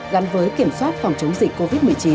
gắn với kiểm soát phòng chống dịch covid một mươi chín